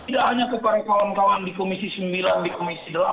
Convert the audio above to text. tidak hanya kepada kawan kawan di komisi sembilan di komisi delapan